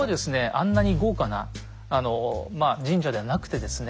あんなに豪華な神社ではなくてですね